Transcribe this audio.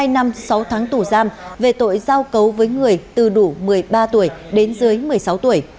một mươi năm sáu tháng tù giam về tội giao cấu với người từ đủ một mươi ba tuổi đến dưới một mươi sáu tuổi